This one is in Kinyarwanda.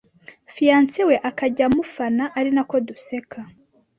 fiancé we akajya mufana ari nako duseka